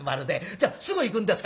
「じゃあすぐ行くんですか？」。